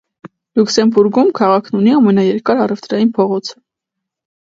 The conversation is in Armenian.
Լյուքսեմբուրգում քաղաքն ունի ամենաերկար առևտրային փողոցը։